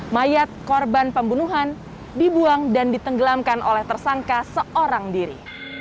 mayat korban pembunuhan dibuang dan ditenggelamkan oleh tersangka seorang diri